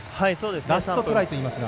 ラストトライといいいますが。